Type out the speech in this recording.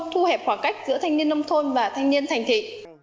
thu hẹp khoảng cách giữa thanh niên nông thôn và thanh niên thành thị